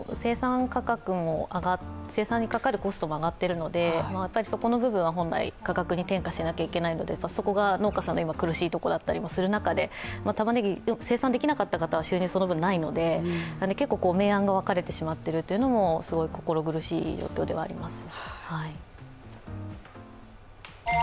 生産にかかるコストも上がっているのでそこの部分は本来価格に転嫁しないといけないのでそこが農家さんの今、苦しいところの中でたまねぎ、生産できなかった方は、収入そのぶんないので明暗が分かれてしまっているのも心苦しい状況ではあります。